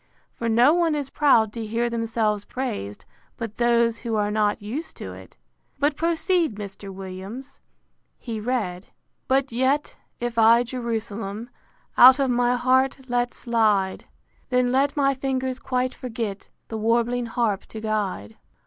For no one is proud to hear themselves praised, but those who are not used to it.—But proceed, Mr. Williams. He read: V. But yet, if I Jerusalem Out of my heart let slide; Then let my fingers quite forget The warbling harp to guide.